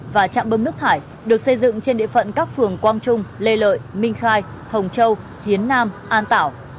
và trạm bơm nước thải được xây dựng trên địa phận các phường quang trung lê lợi minh khai hồng châu hiến nam an tảo